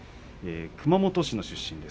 熊本市の出身です。